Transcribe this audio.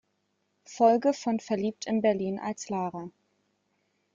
Folge von Verliebt in Berlin als Lara.